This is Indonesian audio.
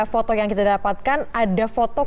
foto yang kita dapatkan ada foto